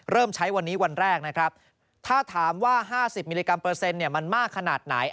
ใช้วันนี้วันแรกนะครับถ้าถามว่า๕๐มิลลิกรัมเปอร์เซ็นต์มันมากขนาดไหน